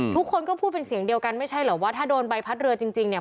ทุกคนก็พูดเป็นเสียงเดียวกันไม่ใช่เหรอว่าถ้าโดนใบพัดเรือจริงเนี่ย